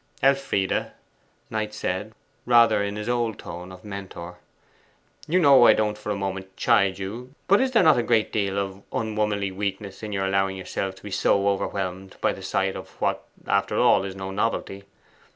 'Elfride,' said Knight, rather in his old tone of mentor, 'you know I don't for a moment chide you, but is there not a great deal of unwomanly weakness in your allowing yourself to be so overwhelmed by the sight of what, after all, is no novelty?